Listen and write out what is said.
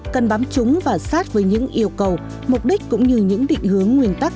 cần bám chúng và sát với những yêu cầu mục đích cũng như những định hướng nguyên tắc